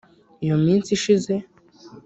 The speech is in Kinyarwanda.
Iyo minsi ishize